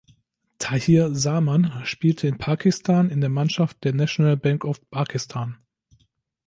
Tahir Zaman spielte in Pakistan in der Mannschaft der National Bank of Pakistan.